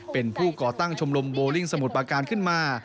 เป็นผู้ก่อตั้งชมรมโบลิ่งสมุทรประการขึ้นมา